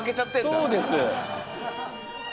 そうです。